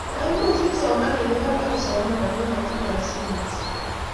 maimuch kipsomaninik alak kosoman amu mating'doi simoisiek